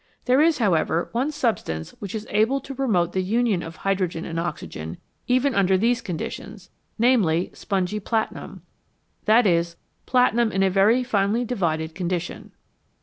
There is, however, one substance which is able to promote the union of hydrogen and oxygen, even under these conditions, namely spongy platinum that is, platinum in a very finely divided con dition.